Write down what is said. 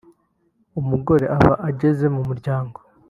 umugore aba ageze mu muryango